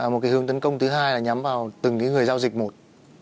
một hướng tấn công thứ hai là nhắm vào từng người giao dịch một